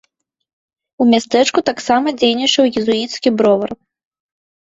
У мястэчку таксама дзейнічаў езуіцкі бровар.